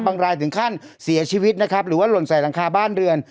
รายถึงขั้นเสียชีวิตนะครับหรือว่าหล่นใส่หลังคาบ้านเรือน